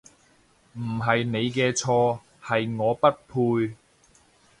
唔係你嘅錯，係我不配